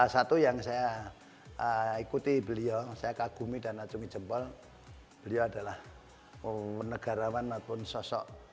satu yang saya ikuti beliau saya kagumi dan acungi jempol beliau adalah negarawan maupun sosok